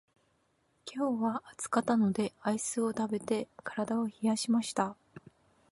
今日は暑かったのでアイスを食べて体を冷やしました。